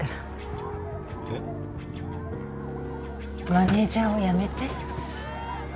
マネジャーを辞めて。